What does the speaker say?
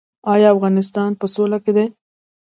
آیا افغانستان په سوله کې دی؟